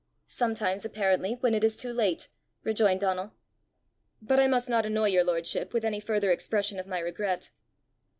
"Sometimes, apparently, when it is too late!" rejoined Donal. "But I must not annoy your lordship with any further expression of my regret!"